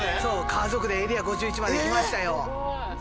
家族でエリア５１まで行きましたよ。